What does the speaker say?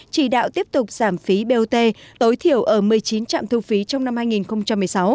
chỉ đạo tiếp tục giảm phí bot tối thiểu ở một mươi chín trạm thu phí trong năm hai nghìn một mươi sáu